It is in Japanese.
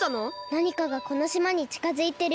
なにかがこのしまにちかづいてる。